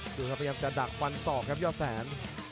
ดูครับพยายามจะดักฟันศอกครับยอดแสน